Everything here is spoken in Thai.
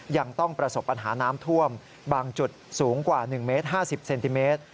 ยังต้องประสบปัญหาน้ำท่วมบางจุดสูงกว่า๑เมตร๕๐เซนติเมตร